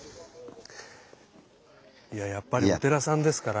いややっぱりお寺さんですから。